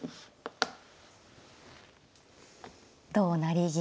同成銀。